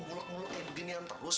mulut mulut yang beginian terus